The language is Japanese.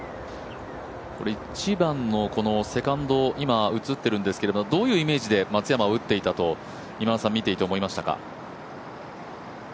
１番のセカンド、今映ってるんですけど、どういうイメージで松山は打っていたと今田さんは見ていて思いましたか？